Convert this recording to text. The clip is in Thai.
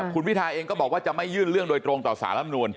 คุณพิทาเองก็บอกว่าจะไม่ยื่นเรื่องโดยตรงต่อสารลำนูล